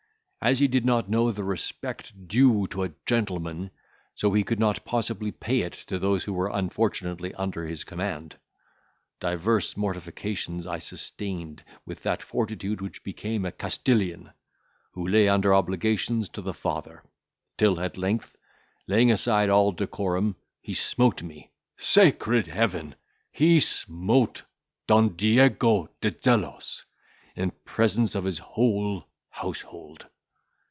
As he did not know the respect due to a gentleman, so he could not possibly pay it to those who were, unfortunately, under his command. Divers mortifications I sustained with that fortitude which became a Castilian who lay under obligations to the father; till, at length, laying aside all decorum, he smote me. Sacred Heaven! he smote Don Diego de Zelos, in presence of his whole household.